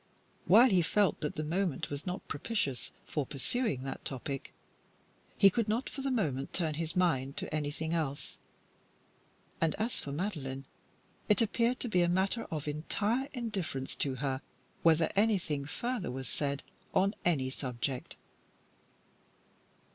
While he felt that the moment was not propitious for pursuing that topic, he could not for the moment turn his mind to anything else, and, as for Madeline, it appeared to be a matter of entire indifference to her whether anything further was said on any subject.